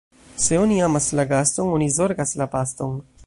Se oni amas la gaston, oni zorgas la paston.